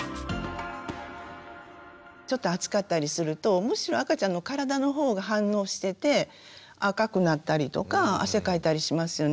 ちょっと暑かったりするとむしろ赤ちゃんの体の方が反応してて赤くなったりとか汗かいたりしますよね。